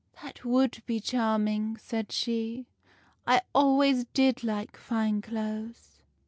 "' That would be charming,' she said. ' I always did like fine clothes.